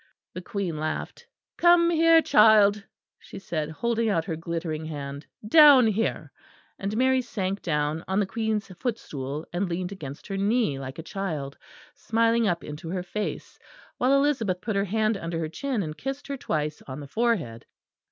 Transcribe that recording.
The Queen laughed. "Come here, child," she said, holding out her glittering hand, "down here," and Mary sank down on the Queen's footstool, and leaned against her knee like a child, smiling up into her face; while Elizabeth put her hand under her chin and kissed her twice on the forehead.